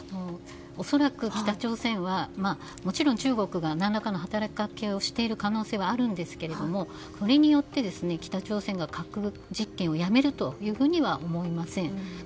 恐らく北朝鮮はもちろん中国が何らかの働きかけをしている可能性はあるんですがこれによって北朝鮮が核実験をやめるというふうには思いません。